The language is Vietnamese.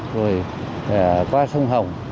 rồi qua sông hồng